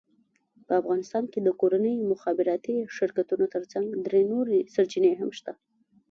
په افغانستان کې د کورنیو مخابراتي شرکتونو ترڅنګ درې نورې سرچینې هم شته،